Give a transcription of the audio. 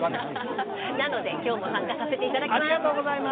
なので、参加させていただきます。